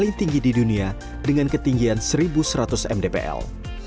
paling tinggi di dunia dengan ketinggian satu seratus mdpl